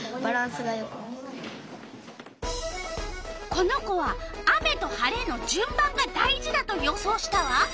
この子は雨と晴れのじゅん番が大事だと予想したわ。